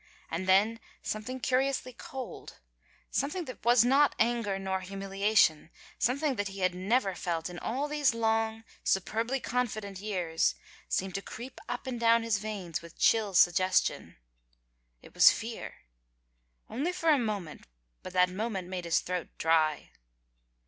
And then something curiously cold, some thing that was not anger nor humiliation, something that he never felt in all these long, superbly confident years, seemed to creep up and down his veins with chill sugges tion. It was fear ... only for a moment, but that mo ment made his throat dry.